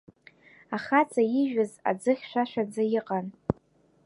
Ахаҵа иижәыз аӡы хьшәашәаӡа иҟан.